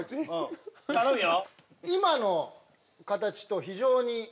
頼むよ！